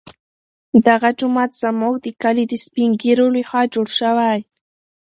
دغه جومات زموږ د کلي د سپین ږیرو لخوا جوړ شوی.